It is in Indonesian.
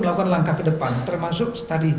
melakukan langkah ke depan termasuk tadi